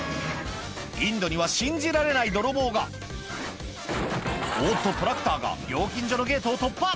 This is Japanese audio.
インドには信じられない泥棒がおっとトラクターが料金所のゲートを突破